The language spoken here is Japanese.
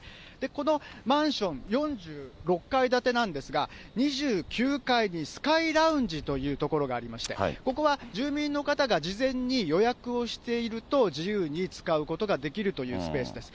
このマンション４６階建てなんですが、２９階にスカイラウンジという所がありまして、ここは住民の方が事前に予約をしていると、自由に使うことができるというスペースです。